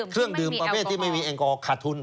เครื่องดื่มประเภทที่ไม่มีแอลกอลขาดทุน